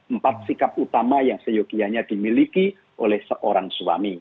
empat sikap utama yang seyogianya dimiliki oleh seorang suami